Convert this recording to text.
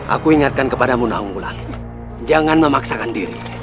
aku ingatkan kepadamu naung ulan jangan memaksakan diri